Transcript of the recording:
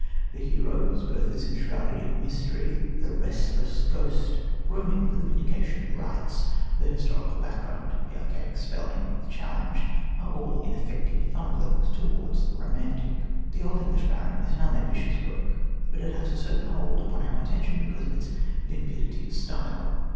The hero, whose birth is enshrouded in mystery, the restless ghost groaning for the vindication of rights, the historical background, the archaic spelling of the challenge, are all ineffective fumblings towards the romantic. The Old English Baron is an unambitious work, but it has a certain hold upon our attention because of its limpidity of style.